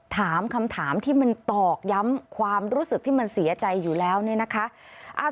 ถามคำถามที่มันตอกย้ำความรู้สึกที่มันเสียใจอยู่แล้วเนี่ยนะคะ